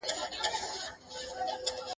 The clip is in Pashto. ستا د هري شېبې واک د خپل بادار دی !.